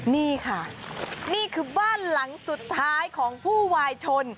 นี่ค่ะนี่คือบ้านหลังสุดท้ายของผู้วายชน